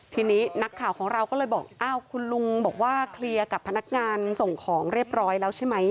ทีนี้นักข่าวของเราก็เลยบอกอ้าวคุณลุงบอกว่าเคลียร์กับพนักงานส่งของเรียบร้อยแล้วใช่ไหม